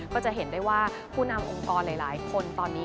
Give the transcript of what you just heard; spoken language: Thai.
ก็จะเห็นได้ว่าผู้นำองค์กรหลายคนตอนนี้